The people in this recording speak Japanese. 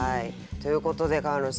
ということで川野さん